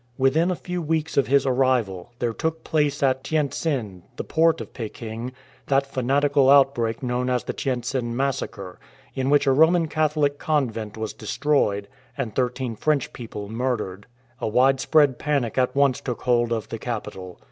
Within a few weeks of his arrival, there took place at Tientsin, the port of Peking, that fanatical outbreak known as the Tientsin massacre, in which a Roman Catholic convent was destroyed and thirteen French people murdered. A widespread panic at once took hold of the capital.